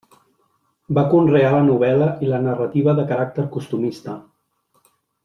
Va conrear la novel·la i la narrativa de caràcter costumista.